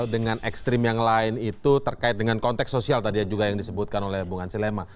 dengan ekstrim yang lain itu terkait dengan konteks sosial tadi juga yang disebutkan oleh bung ansi lema